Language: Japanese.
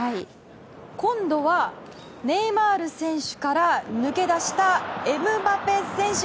今度はネイマール選手から抜け出したエムバペ選手！